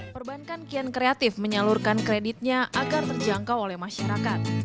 perbankan kian kreatif menyalurkan kreditnya agar terjangkau oleh masyarakat